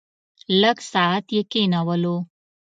لږ ساعت یې کېنولو.